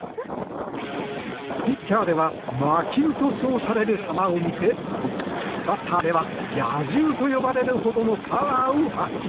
ピッチャーでは魔球と称される球を見せバッターでは野獣と呼ばれるほどのパワーを発揮。